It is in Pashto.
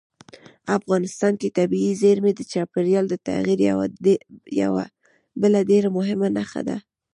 افغانستان کې طبیعي زیرمې د چاپېریال د تغیر یوه بله ډېره مهمه نښه ده.